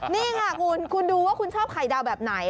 นี่ค่ะคุณคุณดูว่าคุณชอบไข่ดาวแบบไหน